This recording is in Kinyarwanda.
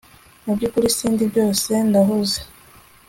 Mubyukuri sindi byose ndahuze